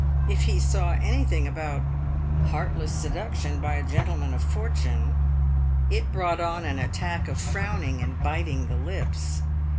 If he saw anything about "Heartless Seduction by a Gentleman of Eortune," it brought on an attack of frowning and biting the lips.